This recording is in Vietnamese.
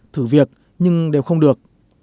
thử việc nhưng đều không được